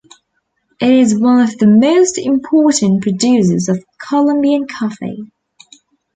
It is one of the most important producers of Colombian coffee.